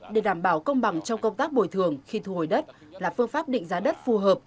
để đảm bảo công bằng trong công tác bồi thường khi thu hồi đất là phương pháp định giá đất phù hợp